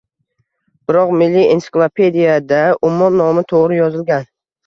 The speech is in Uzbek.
Biroq milliy ensiklopediyada ummon nomi toʻgʻri yozilgan